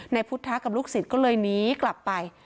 พุทธกับลูกศิษย์ก็เลยหนีกลับไป